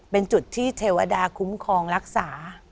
เป็นจุดที่เทวดาคุ้มครองรักษา